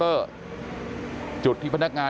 แต่ว่าวินนิสัยดุเสียงดังอะไรเป็นเรื่องปกติอยู่แล้วครับ